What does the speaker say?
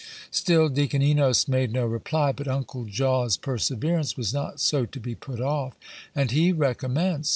Still Deacon Enos made no reply; but Uncle Jaw's perseverance was not so to be put off, and he recommenced.